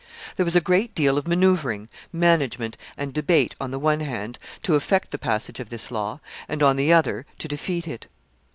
] There was a great deal of maneuvering, management, and debate on the one hand to effect the passage of this law, and, on the other, to defeat it.